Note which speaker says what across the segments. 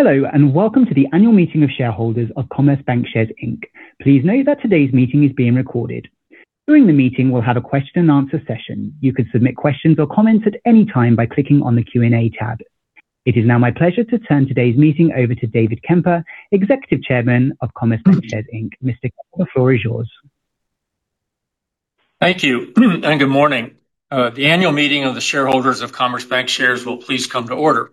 Speaker 1: Hello, and welcome to the annual meeting of shareholders of Commerce Bancshares, Inc. Please know that today's meeting is being recorded. During the meeting, we'll have a question and answer session. You can submit questions or comments at any time by clicking on the Q&A tab. It is now my pleasure to turn today's meeting over to David Kemper, Executive Chairman of Commerce Bancshares, Inc. Mr. Kemper, the floor is yours.
Speaker 2: Thank you. Good morning. The annual meeting of the shareholders of Commerce Bancshares will please come to order.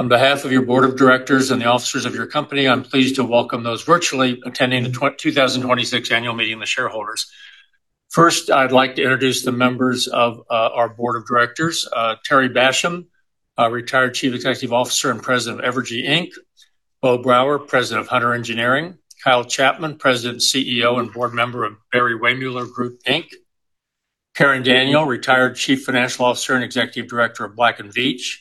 Speaker 2: On behalf of your board of directors and the officers of your company, I'm pleased to welcome those virtually attending the 2026 annual meeting of shareholders. First, I'd like to introduce the members of our board of directors. Terry Bassham, our Retired Chief Executive Officer and President of Evergy Inc., Beau Brauer, President of Hunter Engineering, Kyle Chapman, President, CEO, and board member of Barry-Wehmiller Group, Inc., Karen Daniel, Retired Chief Financial Officer and Executive Director of Black & Veatch,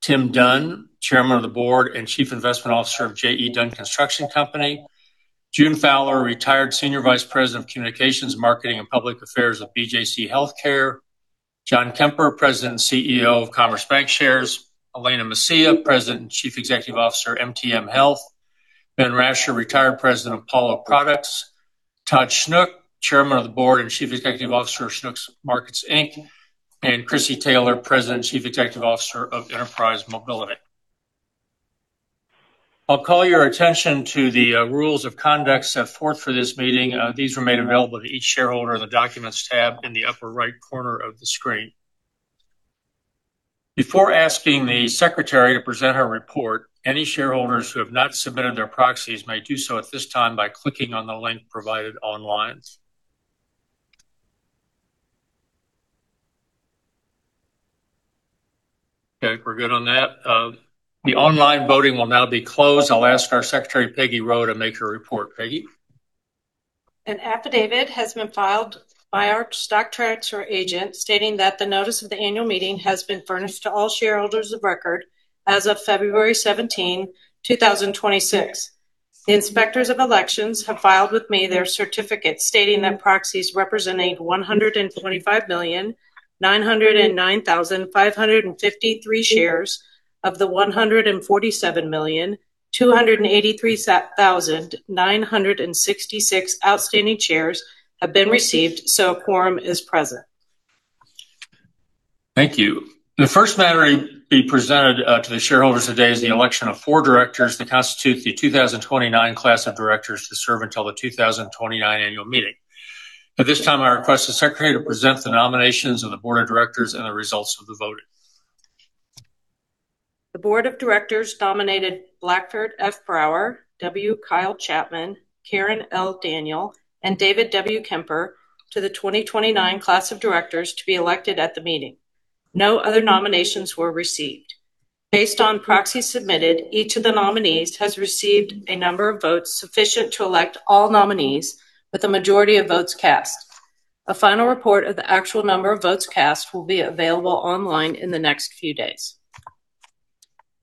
Speaker 2: Tim Dunn, Chairman of the Board and Chief Investment Officer of JE Dunn Construction Company, June Fowler, Retired Senior Vice President of Communications, Marketing, and Public Affairs of BJC HealthCare, John Kemper, President and CEO of Commerce Bancshares, Alaina Maciá, President and Chief Executive Officer, MTM Health, Ben Rassieur, Retired President of Paulo Products, Todd Schnuck, Chairman of the Board and Chief Executive Officer of Schnucks Markets Inc., and Chrissy Taylor, President and Chief Executive Officer of Enterprise Mobility. I'll call your attention to the rules of conduct set forth for this meeting. These were made available to each shareholder in the Documents tab in the upper right corner of the screen. Before asking the secretary to present her report, any shareholders who have not submitted their proxies may do so at this time by clicking on the link provided online. Okay, we're good on that. The online voting will now be closed. I'll ask our secretary, Peggy Rowe, to make her report. Peggy?
Speaker 3: An affidavit has been filed by our stock transfer agent stating that the notice of the annual meeting has been furnished to all shareholders of record as of February 17, 2026. The Inspectors of Elections have filed with me their certificate stating that proxies representing 125,909,553 shares of the 147,283,966 outstanding shares have been received, so a quorum is present.
Speaker 2: Thank you. The first matter to be presented to the shareholders today is the election of four directors to constitute the 2029 class of directors to serve until the 2029 annual meeting. At this time, I request the secretary to present the nominations of the board of directors and the results of the voting.
Speaker 3: The board of directors nominated Blackford F. Brauer, W. Kyle Chapman, Karen L. Daniel, and David W. Kemper to the 2029 class of directors to be elected at the meeting. No other nominations were received. Based on proxies submitted, each of the nominees has received a number of votes sufficient to elect all nominees with a majority of votes cast. A final report of the actual number of votes cast will be available online in the next few days.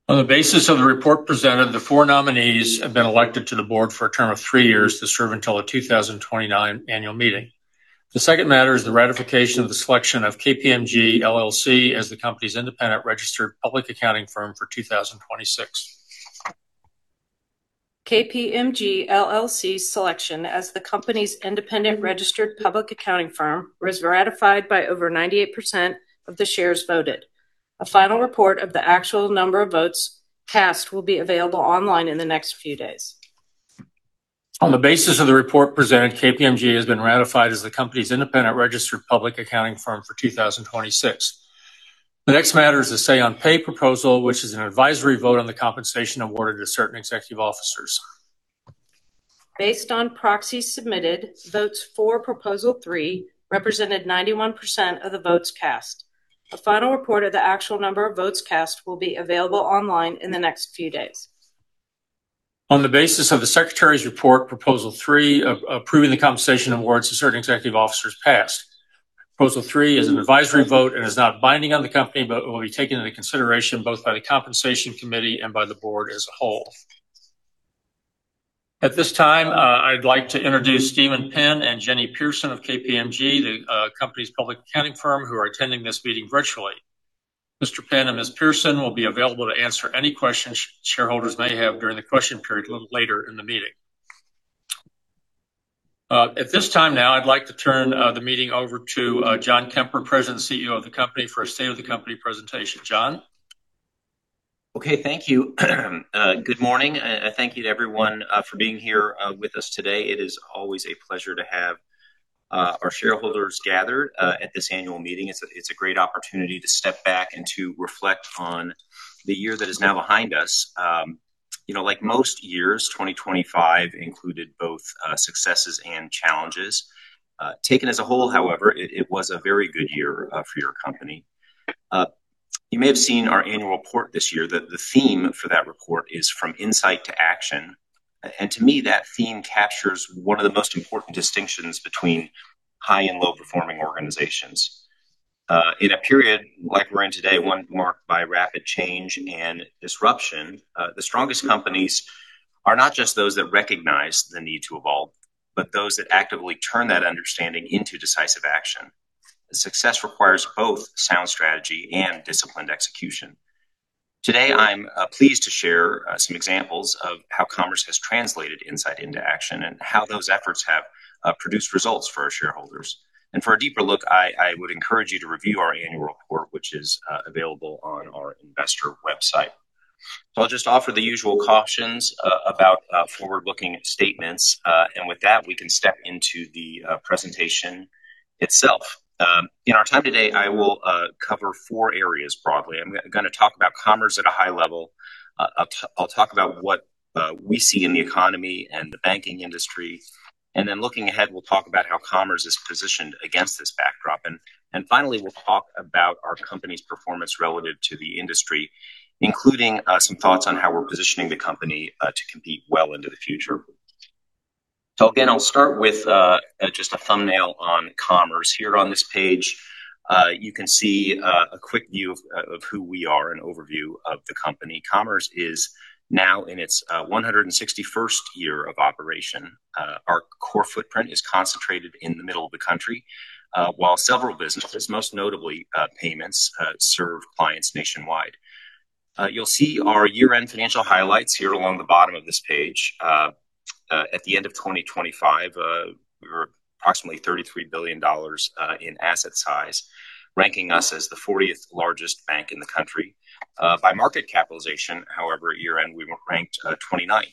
Speaker 2: On the basis of the report presented, the four nominees have been elected to the Board for a term of three years to serve until the 2029 Annual Meeting. The second matter is the ratification of the selection of KPMG LLC as the company's independent registered public accounting firm for 2026.
Speaker 3: KPMG LLC's selection as the company's independent registered public accounting firm was ratified by over 98% of the shares voted. A final report of the actual number of votes cast will be available online in the next few days.
Speaker 2: On the basis of the report presented, KPMG has been ratified as the company's independent registered public accounting firm for 2026. The next matter is the Say on Pay proposal, which is an advisory vote on the compensation awarded to certain executive officers.
Speaker 3: Based on proxies submitted, votes for Proposal 3 represented 91% of the votes cast. A final report of the actual number of votes cast will be available online in the next few days.
Speaker 2: On the basis of the secretary's report, Proposal 3, approving the compensation awards to certain executive officers, passed. Proposal 3 is an advisory vote and is not binding on the company, but will be taken into consideration both by the Compensation Committee and by the board as a whole. At this time, I'd like to introduce Steven Penn and Jenny Pearson of KPMG, the company's public accounting firm, who are attending this meeting virtually. Mr. Penn and Ms. Pearson will be available to answer any questions shareholders may have during the question period a little later in the meeting. At this time now, I'd like to turn the meeting over to John Kemper, President and CEO of the company, for a state of the company presentation. John?
Speaker 4: Okay, thank you. Good morning. Thank you to everyone for being here with us today. It is always a pleasure to have our shareholders gathered at this annual meeting. It's a great opportunity to step back and to reflect on the year that is now behind us. Like most years, 2025 included both successes and challenges. Taken as a whole, however, it was a very good year for your company. You may have seen our annual report this year. The theme for that report is From Insight to Action, and to me, that theme captures one of the most important distinctions between high and low-performing organizations. In a period like we're in today, one marked by rapid change and disruption, the strongest companies are not just those that recognize the need to evolve, but those that actively turn that understanding into decisive action. Success requires both sound strategy and disciplined execution. Today, I'm pleased to share some examples of how Commerce has translated insight into action and how those efforts have produced results for our shareholders. For a deeper look, I would encourage you to review our annual report, which is available on our investor website. I'll just offer the usual cautions about forward-looking statements. With that, we can step into the presentation itself. In our time today, I will cover four areas broadly. I'm going to talk about Commerce at a high level. I'll talk about what we see in the economy and the banking industry. Looking ahead, we'll talk about how Commerce is positioned against this backdrop. Finally, we'll talk about our company's performance relative to the industry, including some thoughts on how we're positioning the company to compete well into the future. Again, I'll start with just a thumbnail on Commerce. Here on this page, you can see a quick view of who we are and overview of the company. Commerce is now in its 161st year of operation. Our core footprint is concentrated in the middle of the country, while several businesses, most notably payments, serve clients nationwide. You'll see our year-end financial highlights here along the bottom of this page. At the end of 2025, we were approximately $33 billion in asset size, ranking us as the 40th largest bank in the country. By market capitalization, however, at year-end, we were ranked 29th.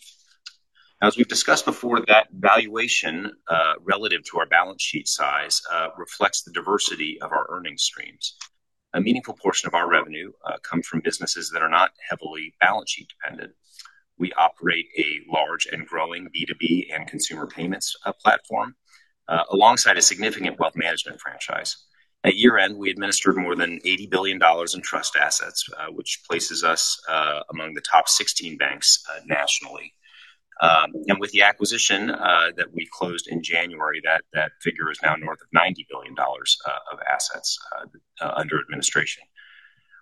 Speaker 4: Now, as we've discussed before, that valuation relative to our balance sheet size reflects the diversity of our earning streams. A meaningful portion of our revenue comes from businesses that are not heavily balance sheet dependent. We operate a large and growing B2B and consumer payments platform alongside a significant wealth management franchise. At year-end, we administered more than $80 billion in trust assets, which places us among the top 16 banks nationally. With the acquisition that we closed in January, that figure is now north of $90 billion of assets under administration.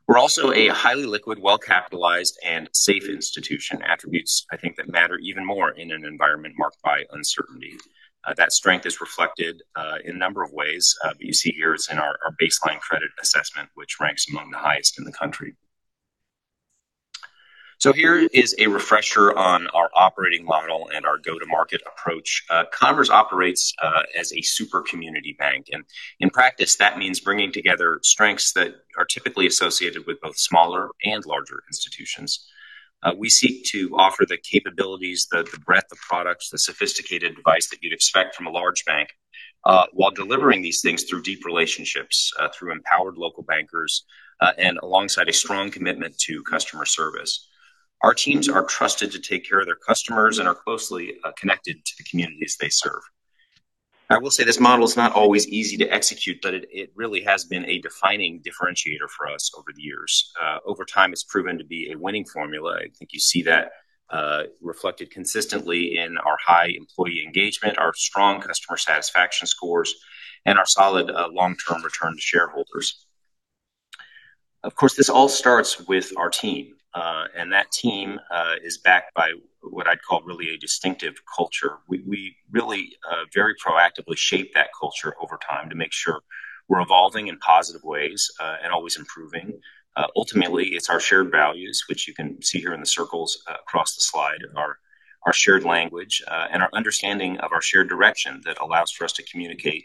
Speaker 4: We're also a highly liquid, well-capitalized, and safe institution, attributes I think that matter even more in an environment marked by uncertainty. That strength is reflected in a number of ways. You see, it is in our baseline credit assessment, which ranks among the highest in the country. Here is a refresher on our operating model and our go-to-market approach. Commerce operates as a super community bank, and in practice, that means bringing together strengths that are typically associated with both smaller and larger institutions. We seek to offer the capabilities, the breadth of products, the sophisticated advice that you'd expect from a large bank, while delivering these things through deep relationships, through empowered local bankers, and alongside a strong commitment to customer service. Our teams are trusted to take care of their customers and are closely connected to the communities they serve. I will say this model is not always easy to execute, but it really has been a defining differentiator for us over the years. Over time, it's proven to be a winning formula. I think you see that reflected consistently in our high employee engagement, our strong customer satisfaction scores, and our solid long-term return to shareholders. Of course, this all starts with our team. That team is backed by what I'd call really a distinctive culture. We really very proactively shape that culture over time to make sure we're evolving in positive ways and always improving. Ultimately, it's our shared values, which you can see here in the circles across the slide, our shared language, and our understanding of our shared direction that allows for us to communicate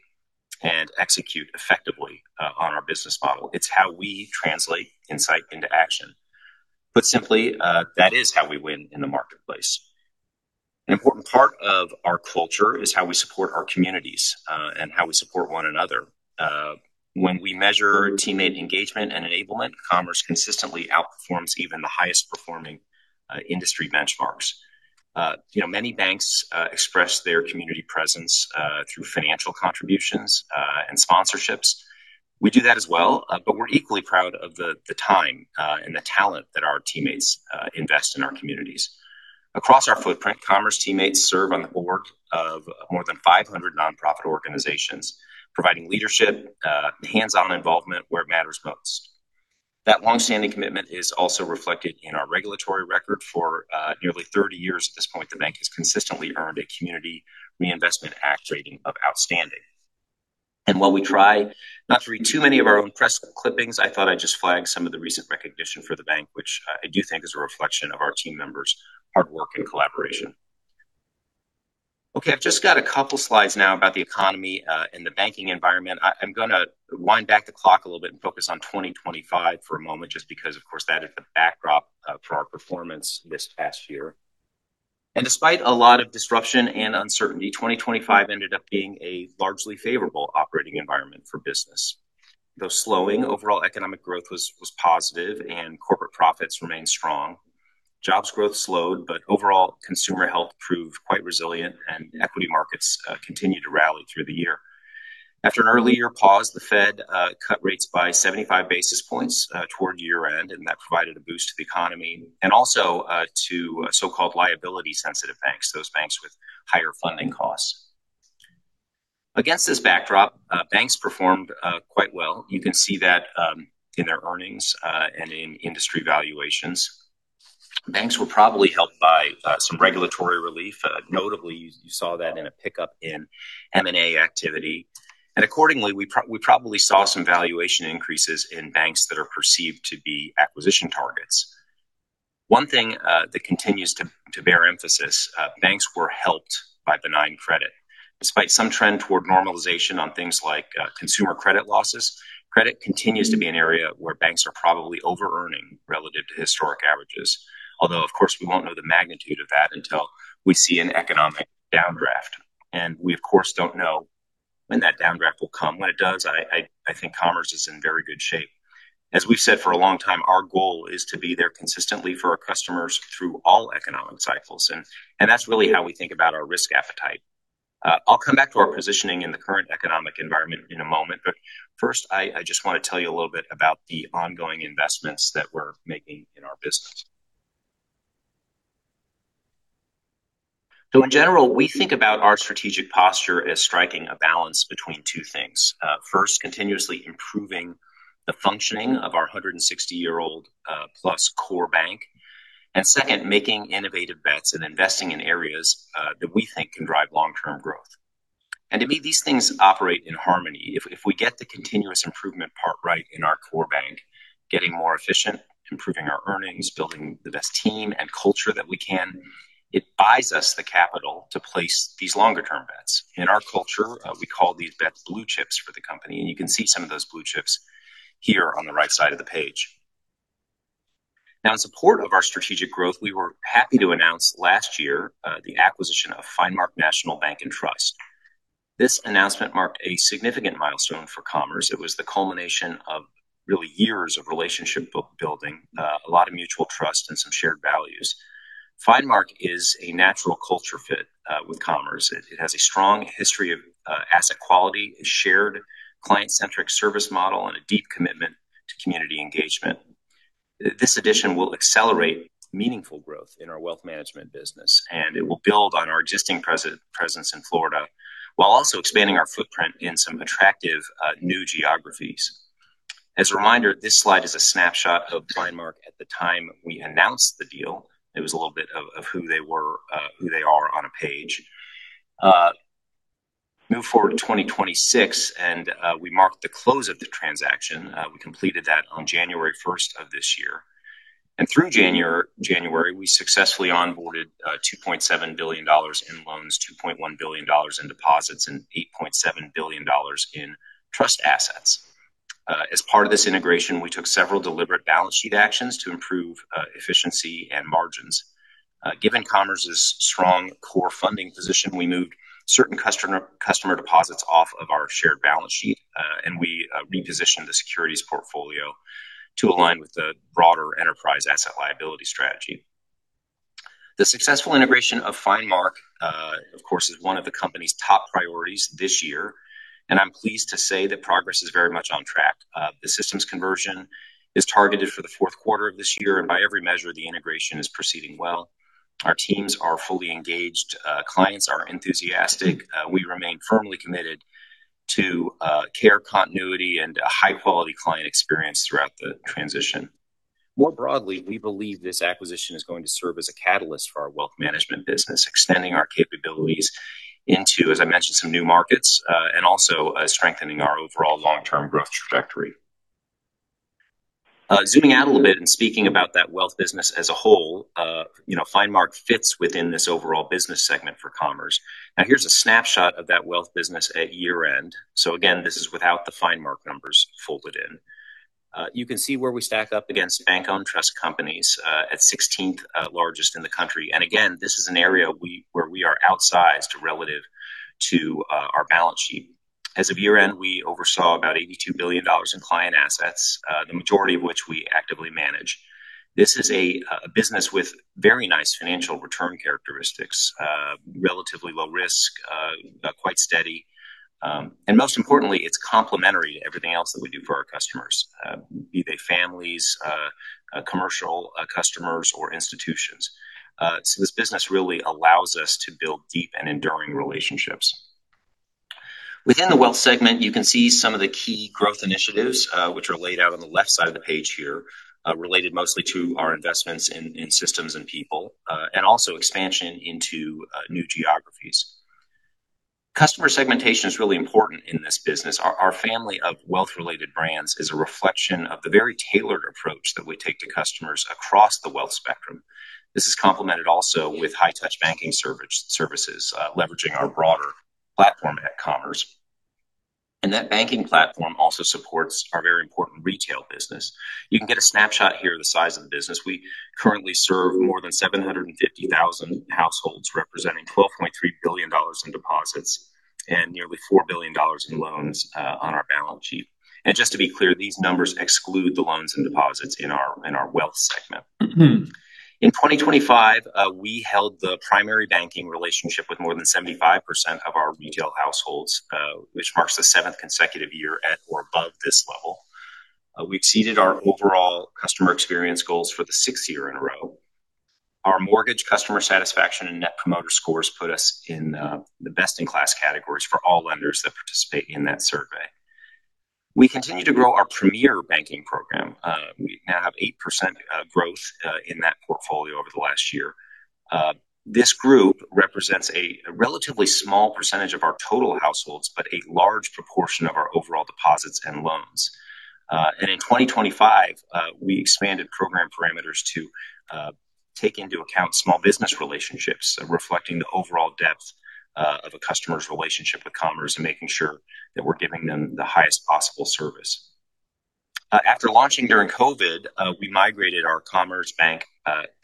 Speaker 4: and execute effectively on our business model. It's how we translate insight into action. Put simply, that is how we win in the marketplace. An important part of our culture is how we support our communities and how we support one another. When we measure teammate engagement and enablement, Commerce consistently outperforms even the highest performing industry benchmarks. Many banks express their community presence through financial contributions and sponsorships. We do that as well, but we're equally proud of the time and the talent that our teammates invest in our communities. Across our footprint, Commerce teammates serve on the board of more than 500 nonprofit organizations, providing leadership, hands-on involvement where it matters most. That long-standing commitment is also reflected in our regulatory record. For nearly 30 years at this point, the bank has consistently earned a Community Reinvestment Act rating of outstanding. While we try not to read too many of our own press clippings, I thought I'd just flag some of the recent recognition for the bank, which I do think is a reflection of our team members' hard work and collaboration. Okay, I've just got a couple slides now about the economy and the banking environment. I'm going to wind back the clock a little bit and focus on 2025 for a moment, just because, of course, that is the backdrop for our performance this past year. Despite a lot of disruption and uncertainty, 2025 ended up being a largely favorable operating environment for business. Though slowing, overall economic growth was positive and corporate profits remained strong. Jobs growth slowed, but overall consumer health proved quite resilient and equity markets continued to rally through the year. After an earlier pause, the Fed cut rates by 75 basis points toward year-end, and that provided a boost to the economy and also to so-called liability-sensitive banks, those banks with higher funding costs. Against this backdrop, banks performed quite well. You can see that in their earnings and in industry valuations. Banks were probably helped by some regulatory relief. Notably, you saw that in a pickup in M&A activity. Accordingly, we probably saw some valuation increases in banks that are perceived to be acquisition targets. One thing that continues to bear emphasis, banks were helped by benign credit. Despite some trend toward normalization on things like consumer credit losses, credit continues to be an area where banks are probably overearning relative to historic averages. Although of course, we won't know the magnitude of that until we see an economic downdraft. We, of course, don't know when that downdraft will come. When it does, I think Commerce is in very good shape. As we've said for a long time, our goal is to be there consistently for our customers through all economic cycles, and that's really how we think about our risk appetite. I'll come back to our positioning in the current economic environment in a moment, but first, I just want to tell you a little bit about the ongoing investments that we're making in our business. In general, we think about our strategic posture as striking a balance between two things. First, continuously improving the functioning of our 160-year-old plus core bank. Second, making innovative bets and investing in areas that we think can drive long-term growth. To me, these things operate in harmony. If we get the continuous improvement part right in our core bank, getting more efficient, improving our earnings, building the best team and culture that we can, it buys us the capital to place these longer term bets. In our culture, we call these bets blue chips for the company, and you can see some of those blue chips here on the right side of the page. Now, in support of our strategic growth, we were happy to announce last year, the acquisition of FineMark National Bank & Trust. This announcement marked a significant milestone for Commerce. It was the culmination of really years of relationship building, a lot of mutual trust and some shared values. FineMark is a natural culture fit with Commerce. It has a strong history of asset quality, a shared client-centric service model, and a deep commitment to community engagement. This addition will accelerate meaningful growth in our wealth management business, and it will build on our existing presence in Florida while also expanding our footprint in some attractive new geographies. As a reminder, this slide is a snapshot of FineMark at the time we announced the deal. It was a little bit of who they are on a page. Move forward to 2026, and we marked the close of the transaction. We completed that on January 1st of this year. Through January, we successfully onboarded $2.7 billion in loans, $2.1 billion in deposits, and $8.7 billion in trust assets. As part of this integration, we took several deliberate balance sheet actions to improve efficiency and margins. Given Commerce's strong core funding position, we moved certain customer deposits off of our shared balance sheet, and we repositioned the securities portfolio to align with the broader enterprise asset liability strategy. The successful integration of FineMark, of course, is one of the company's top priorities this year, and I'm pleased to say that progress is very much on track. The systems conversion is targeted for the fourth quarter of this year, and by every measure, the integration is proceeding well. Our teams are fully engaged. Clients are enthusiastic. We remain firmly committed to care continuity, and a high-quality client experience throughout the transition. More broadly, we believe this acquisition is going to serve as a catalyst for our wealth management business, extending our capabilities into, as I mentioned, some new markets, and also strengthening our overall long-term growth trajectory. Zooming out a little bit and speaking about that wealth business as a whole, FineMark fits within this overall business segment for Commerce. Now, here's a snapshot of that wealth business at year-end. Again, this is without the FineMark numbers folded in. You can see where we stack up against bank-owned trust companies at 16th largest in the country. Again, this is an area where we are outsized relative to our balance sheet. As of year-end, we oversaw about $82 billion in client assets, the majority of which we actively manage. This is a business with very nice financial return characteristics, relatively low risk, quite steady. Most importantly, it's complementary to everything else that we do for our customers, be they families, commercial customers, or institutions. This business really allows us to build deep and enduring relationships. Within the wealth segment, you can see some of the key growth initiatives, which are laid out on the left side of the page here, related mostly to our investments in systems and people, and also expansion into new geographies. Customer segmentation is really important in this business. Our family of wealth-related brands is a reflection of the very tailored approach that we take to customers across the wealth spectrum. This is complemented also with high touch banking services, leveraging our broader platform at Commerce. That banking platform also supports our very important retail business. You can get a snapshot here of the size of the business. We currently serve more than 750,000 households, representing $12.3 billion in deposits and nearly $4 billion in loans on our balance sheet. Just to be clear, these numbers exclude the loans and deposits in our wealth segment. In 2025, we held the primary banking relationship with more than 75% of our retail households, which marks the seventh consecutive year at or above this level. We've exceeded our overall customer experience goals for the sixth year in a row. Our mortgage customer satisfaction and net promoter scores put us in the best-in-class categories for all lenders that participate in that survey. We continue to grow our premier banking program. We now have 8% growth in that portfolio over the last year. This group represents a relatively small percentage of our total households, but a large proportion of our overall deposits and loans. In 2025, we expanded program parameters to take into account small business relationships, reflecting the overall depth of a customer's relationship with Commerce and making sure that we're giving them the highest possible service. After launching during COVID, we migrated our Commerce Bank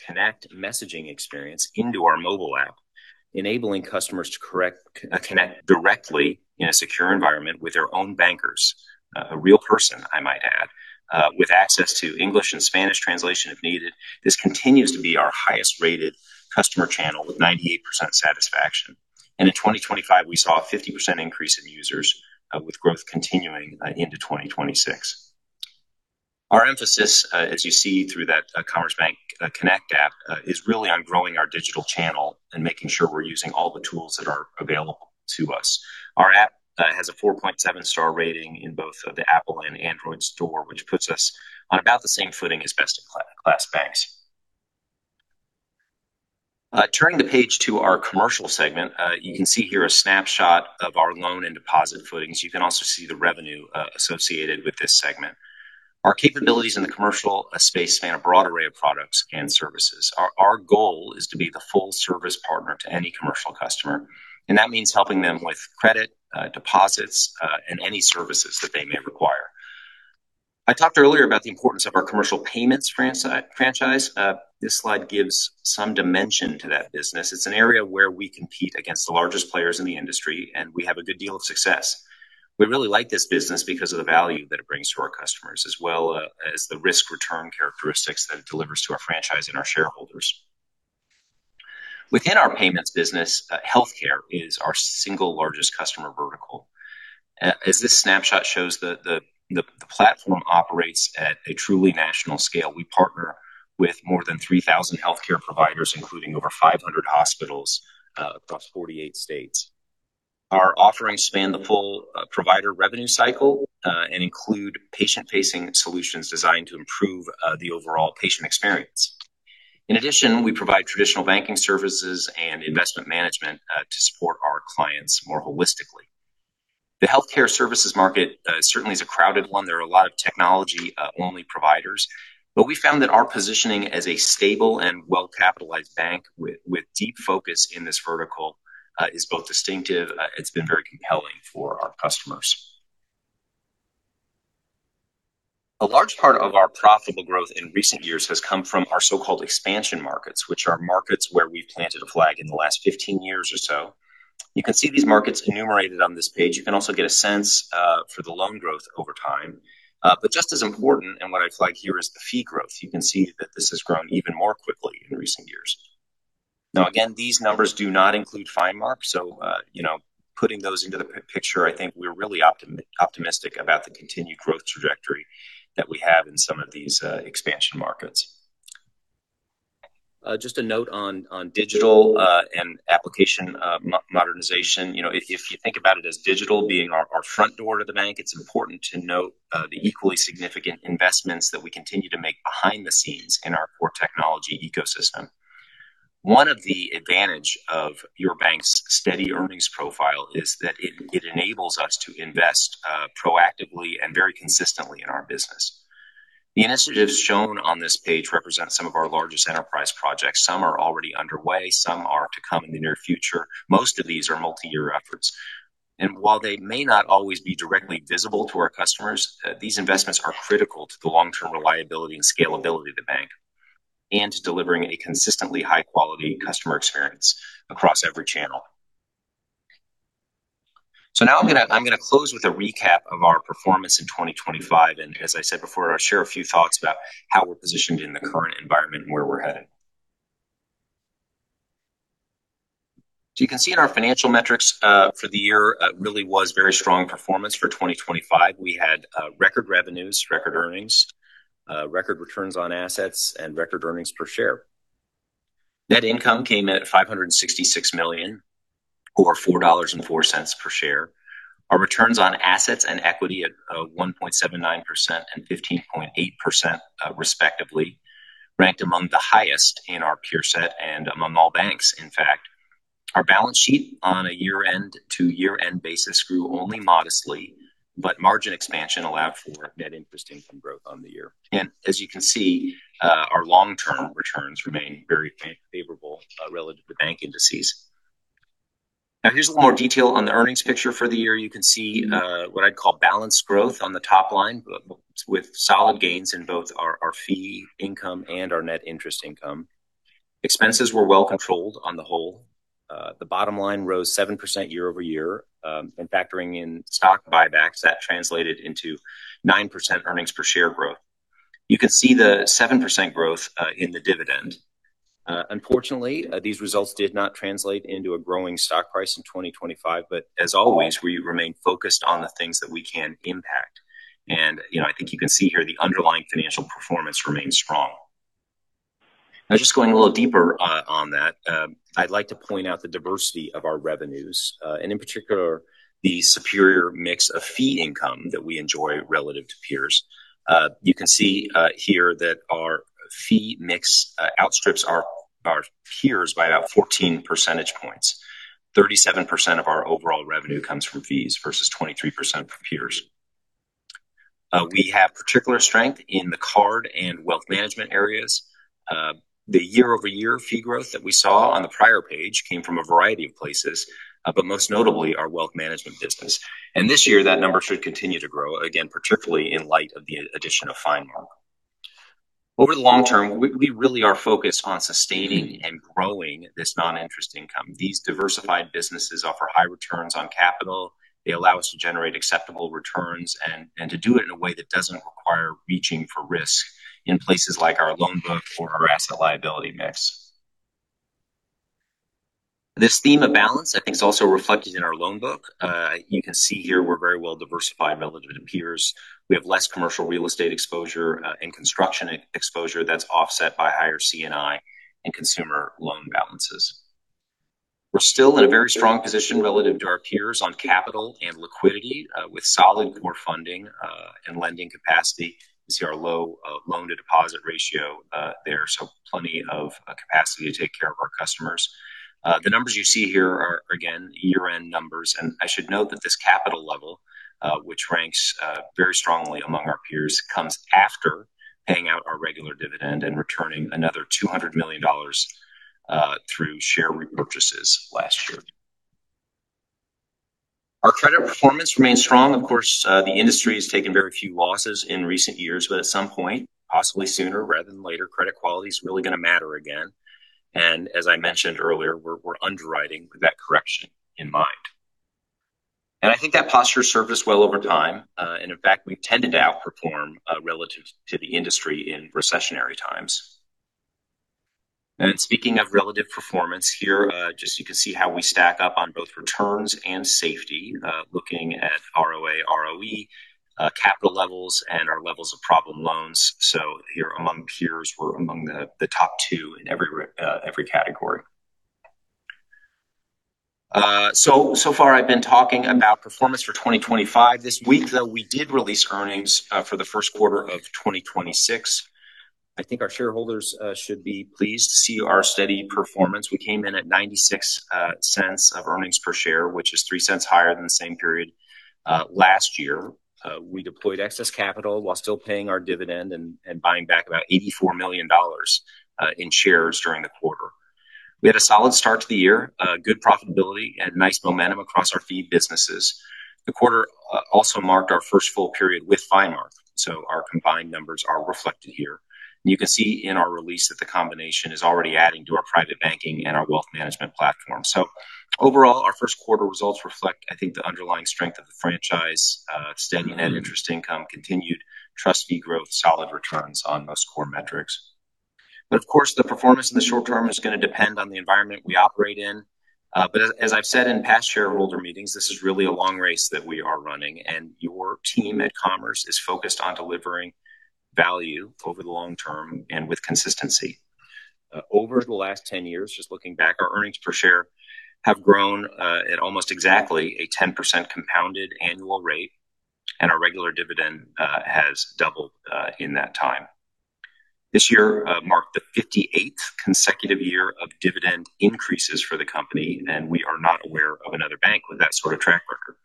Speaker 4: CONNECT messaging experience into our mobile app, enabling customers to connect directly in a secure environment with their own bankers. A real person, I might add, with access to English and Spanish translation if needed. This continues to be our highest-rated customer channel with 98% satisfaction. In 2025, we saw a 50% increase in users with growth continuing into 2026. Our emphasis, as you see through that Commerce Bank CONNECT app, is really on growing our digital channel and making sure we're using all the tools that are available to us. Our app has a 4.7 star rating in both the Apple and Android Store, which puts us on about the same footing as best-in-class banks. Turning the page to our commercial segment, you can see here a snapshot of our loan and deposit footings. You can also see the revenue associated with this segment. Our capabilities in the commercial space span a broad array of products and services. Our goal is to be the full service partner to any commercial customer, and that means helping them with credit, deposits, and any services that they may require. I talked earlier about the importance of our commercial payments franchise. This slide gives some dimension to that business. It's an area where we compete against the largest players in the industry, and we have a good deal of success. We really like this business because of the value that it brings to our customers, as well as the risk-return characteristics that it delivers to our franchise and our shareholders. Within our payments business, healthcare is our single largest customer vertical. As this snapshot shows, the platform operates at a truly national scale. We partner with more than 3,000 healthcare providers, including over 500 hospitals across 48 states. Our offerings span the full provider revenue cycle, and include patient-facing solutions designed to improve the overall patient experience. In addition, we provide traditional banking services and investment management to support our clients more holistically. The healthcare services market certainly is a crowded one. There are a lot of technology-only providers, but we found that our positioning as a stable and well-capitalized bank with deep focus in this vertical is both distinctive, it's been very compelling for our customers. A large part of our profitable growth in recent years has come from our so-called expansion markets, which are markets where we've planted a flag in the last 15 years or so. You can see these markets enumerated on this page. You can also get a sense for the loan growth over time. Just as important, and what I flag here, is the fee growth. You can see that this has grown even more quickly in recent years. Now, again, these numbers do not include FineMark. Putting those into the picture, I think we're really optimistic about the continued growth trajectory that we have in some of these expansion markets. Just a note on digital and application modernization. If you think about it as digital being our front door to the bank, it's important to note the equally significant investments that we continue to make behind the scenes in our core technology ecosystem. One of the advantages of your bank's steady earnings profile is that it enables us to invest proactively and very consistently in our business. The initiatives shown on this page represent some of our largest enterprise projects. Some are already underway, some are to come in the near future. Most of these are multi-year efforts. While they may not always be directly visible to our customers, these investments are critical to the long-term reliability and scalability of the bank, and to delivering a consistently high-quality customer experience across every channel. Now I'm going to close with a recap of our performance in 2025, and as I said before, I'll share a few thoughts about how we're positioned in the current environment and where we're headed. You can see in our financial metrics for the year, really was very strong performance for 2025. We had record revenues, record earnings, record returns on assets, and record earnings per share. Net income came at $566 million, or $4.04 per share. Our returns on assets and equity of 1.79% and 15.8%, respectively, ranked among the highest in our peer set and among all banks, in fact. Our balance sheet on a year-end to year-end basis grew only modestly, but margin expansion allowed for net interest income growth on the year. As you can see, our long-term returns remain very favorable relative to bank indices. Now, here's a little more detail on the earnings picture for the year. You can see what I'd call balanced growth on the top line with solid gains in both our fee income and our net interest income. Expenses were well controlled on the whole. The bottom line rose 7% year-over-year, and factoring in stock buybacks, that translated into 9% earnings per share growth. You can see the 7% growth in the dividend. Unfortunately, these results did not translate into a growing stock price in 2025. As always, we remain focused on the things that we can impact. I think you can see here the underlying financial performance remains strong. I was just going a little deeper on that. I'd like to point out the diversity of our revenues, and in particular, the superior mix of fee income that we enjoy relative to peers. You can see here that our fee mix outstrips our peers by about 14 percentage points. 37% of our overall revenue comes from fees versus 23% for peers. We have particular strength in the card and wealth management areas. The year-over-year fee growth that we saw on the prior page came from a variety of places, but most notably our wealth management business. This year that number should continue to grow, again, particularly in light of the addition of FineMark. Over the long term, we really are focused on sustaining and growing this non-interest income. These diversified businesses offer high returns on capital. They allow us to generate acceptable returns and to do it in a way that doesn't require reaching for risk in places like our loan book or our asset liability mix. This theme of balance I think is also reflected in our loan book. You can see here we're very well diversified relative to peers. We have less commercial real estate exposure and construction exposure that's offset by higher C&I and consumer loan balances. We're still in a very strong position relative to our peers on capital and liquidity with solid core funding and lending capacity. You see our low loan-to-deposit ratio there, so plenty of capacity to take care of our customers. The numbers you see here are, again, year-end numbers, and I should note that this capital level, which ranks very strongly among our peers, comes after paying out our regular dividend and returning another $200 million through share repurchases last year. Our credit performance remains strong. Of course, the industry has taken very few losses in recent years, but at some point, possibly sooner rather than later, credit quality is really going to matter again. As I mentioned earlier, we're underwriting with that correction in mind. I think that posture served us well over time. In fact, we've tended to outperform relative to the industry in recessionary times. Speaking of relative performance here, just you can see how we stack up on both returns and safety, looking at ROA, ROE, capital levels, and our levels of problem loans. Here among peers, we're among the top two in every category. So far I've been talking about performance for 2025. This week, though, we did release earnings for the first quarter of 2026. I think our shareholders should be pleased to see our steady performance. We came in at $0.96 earnings per share, which is $0.03 higher than the same period last year. We deployed excess capital while still paying our dividend and buying back about $84 million in shares during the quarter. We had a solid start to the year, good profitability, and nice momentum across our fee businesses. The quarter also marked our first full period with FineMark, so our combined numbers are reflected here. You can see in our release that the combination is already adding to our private banking and our wealth management platform. Overall, our first quarter results reflect, I think, the underlying strength of the franchise, steady net interest income, continued trust fee growth, solid returns on most core metrics. Of course, the performance in the short term is going to depend on the environment we operate in. As I've said in past shareholder meetings, this is really a long race that we are running, and your team at Commerce is focused on delivering value over the long term and with consistency. Over the last 10 years, just looking back, our earnings per share have grown at almost exactly a 10% compounded annual rate, and our regular dividend has doubled in that time. This year marked the 58th consecutive year of dividend increases for the company, and we are not aware of another bank with that sort of track record.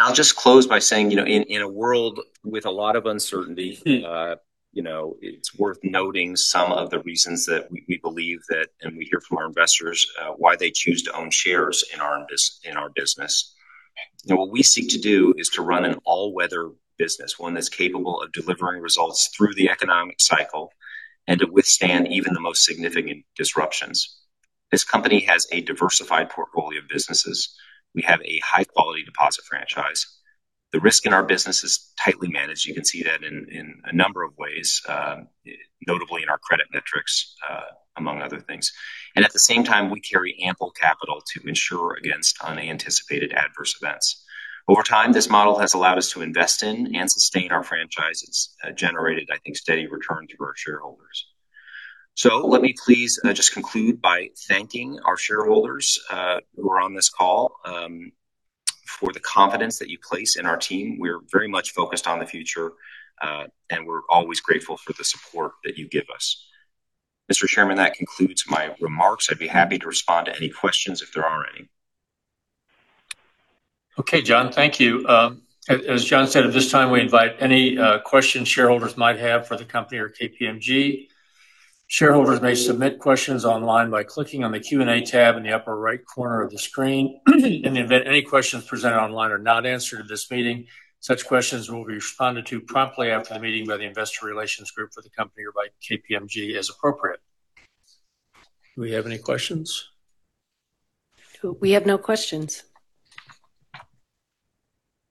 Speaker 4: I'll just close by saying, in a world with a lot of uncertainty, it's worth noting some of the reasons that we believe that, and we hear from our investors why they choose to own shares in our business. What we seek to do is to run an all-weather business, one that's capable of delivering results through the economic cycle and to withstand even the most significant disruptions. This company has a diversified portfolio of businesses. We have a high-quality deposit franchise. The risk in our business is tightly managed. You can see that in a number of ways, notably in our credit metrics, among other things. At the same time, we carry ample capital to insure against unanticipated adverse events. Over time, this model has allowed us to invest in and sustain our franchises, generated, I think, steady return to our shareholders. Let me please just conclude by thanking our shareholders who are on this call for the confidence that you place in our team. We're very much focused on the future, and we're always grateful for the support that you give us. Mr. Chairman, that concludes my remarks. I'd be happy to respond to any questions if there are any.
Speaker 2: Okay, John. Thank you. As John said, at this time, we invite any questions shareholders might have for the company or KPMG. Shareholders may submit questions online by clicking on the Q&A tab in the upper right corner of the screen. In the event any questions presented online are not answered at this meeting, such questions will be responded to promptly after the meeting by the investor relations group for the company or by KPMG as appropriate. Do we have any questions?
Speaker 3: We have no questions.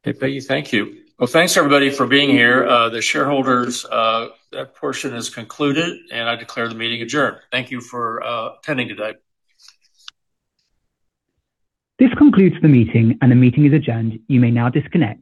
Speaker 2: Hey, Peggy. Thank you. Well, thanks everybody for being here. The shareholders portion is concluded, and I declare the meeting adjourned. Thank you for attending today.
Speaker 1: This concludes the meeting, and the meeting is adjourned. You may now disconnect.